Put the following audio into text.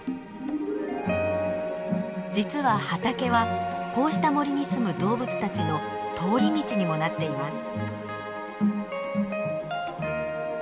実は畑はこうした森にすむ動物たちの通り道にもなっています。